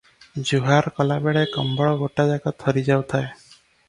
ଜୁହାର କଲା ବେଳେ କମ୍ବଳ ଗୋଟାଯାକ ଥରି ଯାଉଥାଏ ।